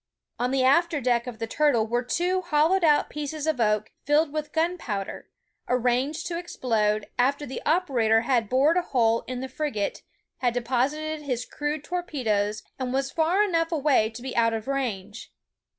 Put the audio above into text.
On the after deck of the Turtle were two hollowed out pieces of oak filled with gunpowder, arranged to explode, after the oper ator had bored a hole in the frigate, had deposited his crude torpedoes, and was far enough away to be out of range.